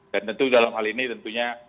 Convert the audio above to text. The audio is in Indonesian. dan tentu dalam hal ini tentunya